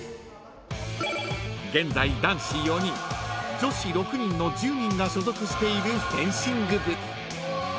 ［現在男子４人女子６人の１０人が所属しているフェンシング部］